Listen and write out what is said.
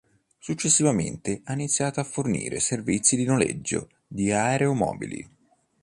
Successivamente ha iniziato a fornire servizi di noleggio di aeromobili.